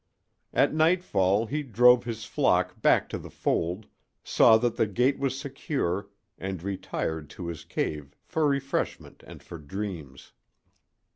At nightfall he drove his flock back to the fold, saw that the gate was secure and retired to his cave for refreshment and for dreams.